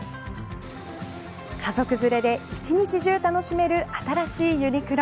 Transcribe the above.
家族連れで一日中楽しめる新しいユニクロ